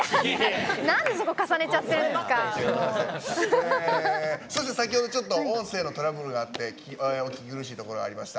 なんでそこ先ほどちょっと音声のトラブルがあって聞き苦しいところがありました。